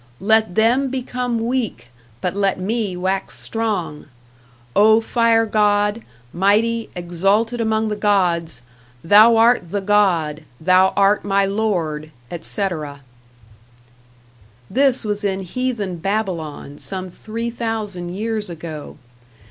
Let them become weak, but let me wax strong! O, fire god, mighty, exalted among the gods, Thou art the god, thou art my lord, etc. This was in heathen Babylon, some three thousand years ago.